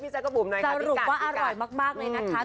สรุปว่าอร่อยมากเลยนะคะ